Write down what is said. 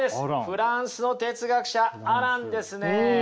フランスの哲学者アランですね。